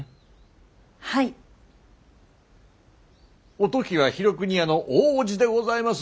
おトキは廣國屋の大叔父でございます